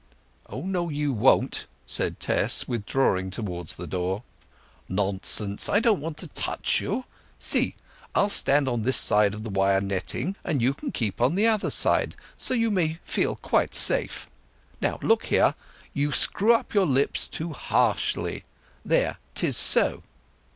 "Oh no, you won't!" said Tess, withdrawing towards the door. "Nonsense; I don't want to touch you. See—I'll stand on this side of the wire netting, and you can keep on the other; so you may feel quite safe. Now, look here; you screw up your lips too harshly. There 'tis—so."